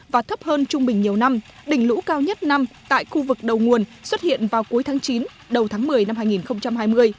và thấp hơn trung bình nhiều năm đỉnh lũ cao nhất năm tại khu vực đầu nguồn xuất hiện vào cuối tháng chín đầu tháng một mươi năm hai nghìn hai mươi